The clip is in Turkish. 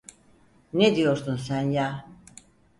Ne diyorsun sen ya?